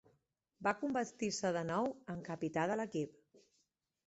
Va convertir-se de nou en capità de l'equip.